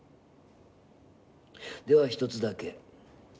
では一つだけ。